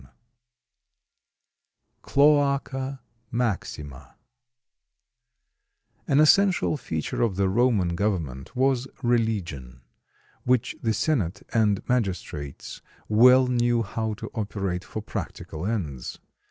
[Illustration: CLOACA MAXIMA] An essential feature of the Roman government was religion, which the senate and magistrates well knew how to operate for practical ends.